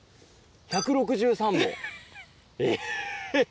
１６３個。